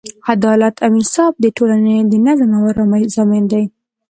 عدالت او انصاف د ټولنې د نظم او ارامۍ ضامن دی.